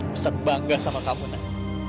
ustadz bangga sama kamu nek